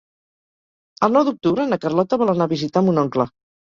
El nou d'octubre na Carlota vol anar a visitar mon oncle.